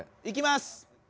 いきます！